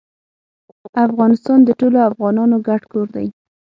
افغانستان د ټولو افغانانو ګډ کور دی